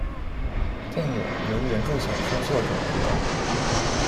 电影由原着小说作者执导。